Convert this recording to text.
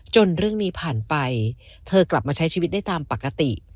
เรื่องนี้ผ่านไปเธอกลับมาใช้ชีวิตได้ตามปกติ